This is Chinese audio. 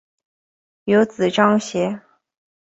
有子章碣。